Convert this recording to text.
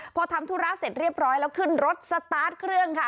พอทำธุระเสร็จเรียบร้อยแล้วขึ้นรถสตาร์ทเครื่องค่ะ